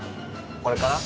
これかな。